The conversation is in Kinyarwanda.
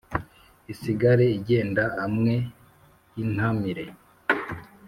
isigare igenda amwe y' intamire